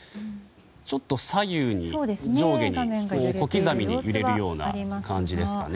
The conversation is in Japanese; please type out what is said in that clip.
ちょっと左右に上下に小刻みに揺れるような感じですかね。